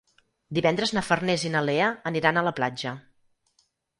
Divendres na Farners i na Lea aniran a la platja.